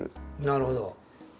なるほど！